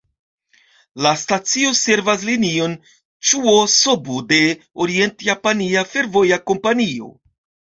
La stacio servas Linion Ĉuo-Sobu de Orient-Japania Fervoja Kompanio.